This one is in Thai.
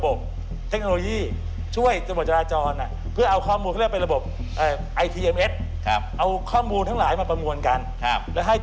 อันนี้จริงแล้วกฎมรับผิดชอบไม่เยอะ